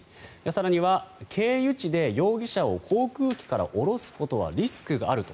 更には、経由地で容疑者を航空機から降ろすことはリスクがあると。